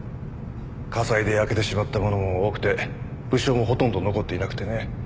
火災で焼けてしまったものも多くて物証もほとんど残っていなくてね。